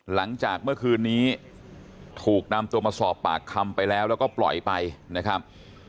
หลังจากเมื่อคืนนี้ถูกนำตัวมาสอบปากคำไปแล้วแล้วก็ปล่อยไปนะครับ